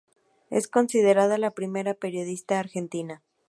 Es considerada la primera periodista argentina.